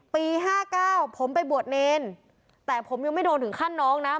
ปี๕๙ผมไปบวชเนรแต่ผมยังไม่โดนถึงขั้นน้องนะ